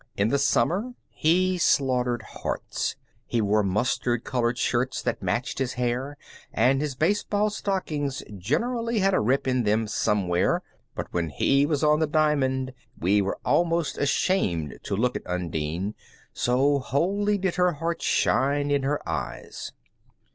In the summer he slaughtered hearts. He wore mustard colored shirts that matched his hair, and his baseball stockings generally had a rip in them somewhere, but when he was on the diamond we were almost ashamed to look at Undine, so wholly did her heart shine in her eyes.